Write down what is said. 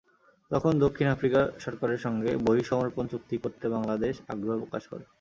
তখন দক্ষিণ আফ্রিকা সরকারের সঙ্গে বহিঃসমর্পণ চুক্তি করতে বাংলাদেশ আগ্রহ প্রকাশ করে।